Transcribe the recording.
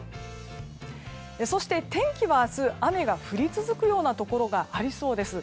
そして天気は明日、雨が降り続くようなところがありそうです。